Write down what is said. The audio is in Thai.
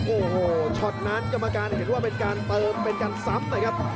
โอ้โหช็อตนั้นกรรมการเห็นว่าเป็นการเติมเป็นการซ้ำนะครับ